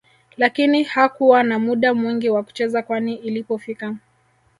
lakini hakuwa na muda mwingi wa kucheza kwani ilipofika